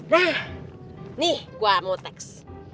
nah nih gue mau teks